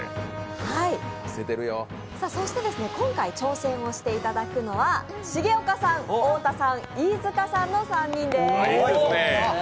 そして今回挑戦していただくのは重岡さん、太田さん、飯塚さんの３人です。